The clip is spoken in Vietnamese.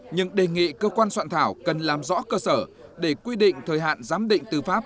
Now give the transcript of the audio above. nhưng đề nghị cơ quan soạn thảo cần làm rõ cơ sở để quy định thời hạn giám định tư pháp